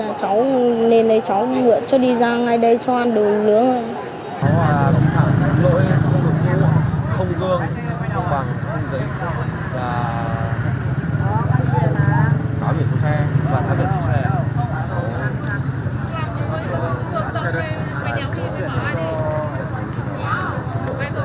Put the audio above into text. các đối tượng trên đi xe máy đến địa bàn tp việt trì